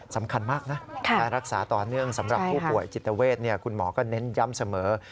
สำคัญมากนะการรักษาต่อเนื่องสำหรับผู้ป่วยจิตเวทคุณหมอก็เน้นย้ำเสมอ